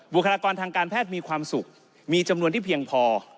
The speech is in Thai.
คลากรทางการแพทย์มีความสุขมีจำนวนที่เพียงพอ